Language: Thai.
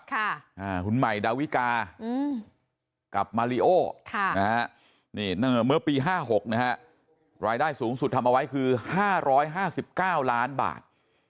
คุณใหม่ดาวิกากับมาริโอนี่เมื่อปี๕๖นะฮะรายได้สูงสุดทำเอาไว้คือ๕๕๙ล้านบาท